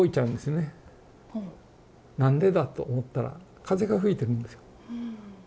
何でだと思ったら風が吹いてるんですよ。